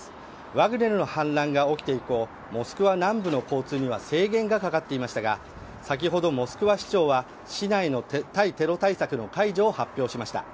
ワグネルの反乱が起きて以降モスクワ南部の交通網には制限がかかっていましたが先ほどモスクワ市長は市内の対テロ対策の解除を発表しました。